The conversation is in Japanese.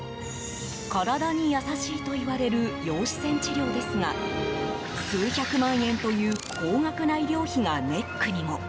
体に優しいといわれる陽子線治療ですが数百万円という高額な医療費がネックにも。